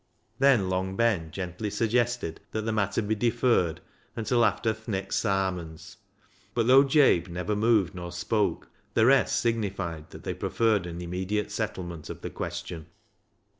Then Long Ben gently suggested that the matter be deferred until after " th' next Sarmons," but, though Jabe neither moved nor spoke, the rest signified that they preferred an immediate settlement of the question.